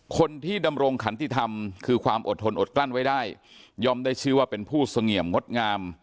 คนที่ดำรงขันติธรรมคือความอดทนอดกลั้นไว้ได้ย่อมได้ชื่อว่าเป็นผู้เสงี่ยมงดงาม